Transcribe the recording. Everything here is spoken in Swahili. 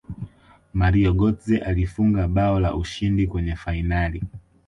mario gotze alifunga bao la ushindi kwenye fainali